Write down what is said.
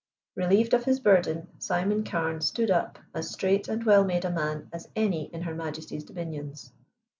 Relieved of his burden, Simon Carne stood up as straight and well made a man as any in Her Majesty's dominions.